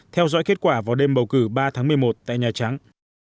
theo dõi kết quả vào đêm bầu cử ba tháng một mươi một tại nhà trắng